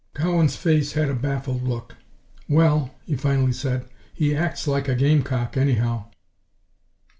Cowan's face had a baffled look. "Well," he finally said, "he acts like a gamecock, anyhow."